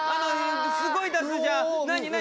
すごい出すじゃん何何。